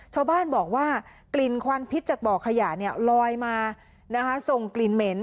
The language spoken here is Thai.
ชาวบ้านบอกว่ากลิ่นควันพิษจากบ่อขยะลอยมาส่งกลิ่นเหม็น